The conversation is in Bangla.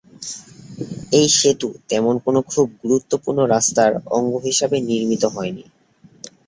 এই সেতু তেমন কোনও খুব গুরুত্বপূর্ণ রাস্তার অঙ্গ হিসেবে নির্মিত হয়নি।